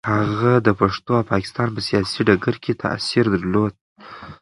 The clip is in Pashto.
هغه د پښتنو او پاکستان په سیاسي ډګر کې تاثیر درلود.